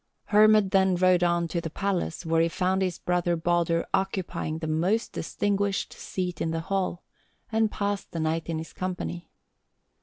Hermod then rode on to the palace, where he found his brother Baldur occupying the most distinguished seat in the hall, and passed the night in his company.